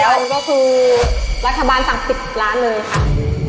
๑๕วันก็คือราชบานสั่ง๑๐ร้านเลยค่ะ